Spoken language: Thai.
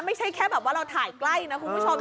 ไม่ใช่แค่แบบว่าเราถ่ายใกล้นะคุณผู้ชม